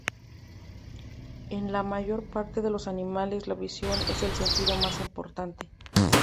En la mayor parte de los animales, la visión es el sentido más importante.